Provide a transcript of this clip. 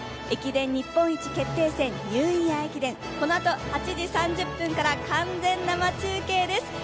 駅伝日本一決定戦、ニューイヤー駅伝、このあと８時３０分から完全生中継です。